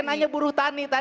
nanya buruh tani tadi